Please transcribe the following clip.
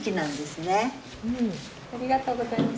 ありがとうございます。